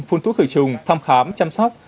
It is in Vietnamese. phun thuốc khử trùng thăm khám chăm sóc